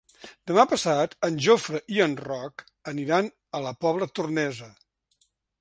Demà passat en Jofre i en Roc aniran a la Pobla Tornesa.